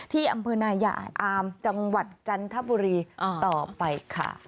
ที่อำเภอนายาอามจังหวัดจันทบุรีต่อไปค่ะ